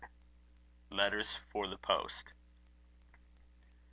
LETTERS FOR THE POST.